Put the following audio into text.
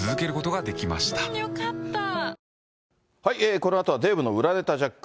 このあとはデーブの裏ネタジャック。